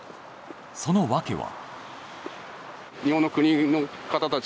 その訳は？